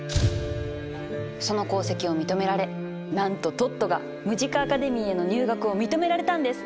その功績を認められなんとトットがムジカ・アカデミーへの入学を認められたんです。